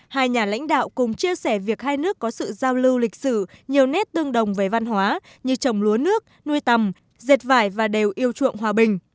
hai nhà lãnh đạo cùng chia sẻ việc hai nước có sự giao lưu lịch sử nhiều nét tương đồng về văn hóa như trồng lúa nước nuôi tầm dệt vải và đều yêu chuộng hòa bình